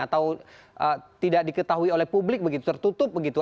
atau tidak diketahui oleh publik begitu tertutup begitu